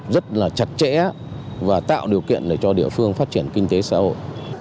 rất là chặt chẽ và tạo điều kiện để cho địa phương phát triển kinh tế xã hội